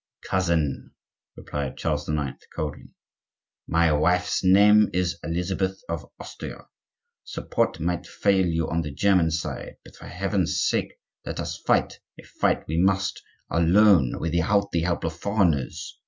"Cousin," replied Charles IX., coldly, "my wife's name is Elizabeth of Austria; support might fail you on the German side. But, for Heaven's sake, let us fight, if fight we must, alone, without the help of foreigners.